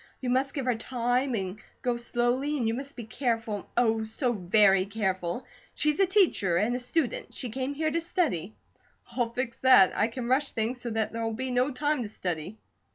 You must give her time and go slowly, and you must be careful, oh, so very careful! She's a teacher and a student; she came here to study." "I'll fix that. I can rush things so that there'll be no time to study."